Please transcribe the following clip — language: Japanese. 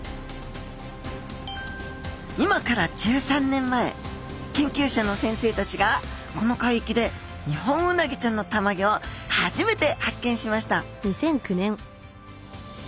今から１３年前研究者の先生たちがこの海域でニホンウナギちゃんのたまギョを初めて発見しました